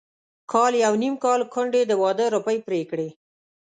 کال يو نيم کال کونډې د واده روپۍ پرې کړې.